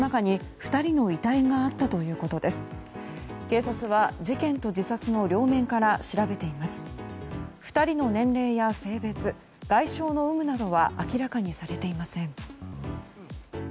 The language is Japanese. ２人の年齢や性別外傷の有無などは明らかにされていません。